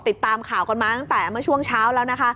ติดตามข่าวกันมาตั้งแต่เมื่อช่วงเช้าแล้วนะคะ